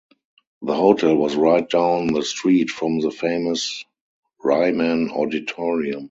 The hotel was right down the street from the famous Ryman auditorium.